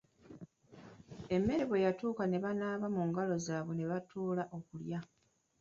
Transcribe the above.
Emmere bwe yatuuka ne banaaba mungalo zaabwe ne batuula okulya.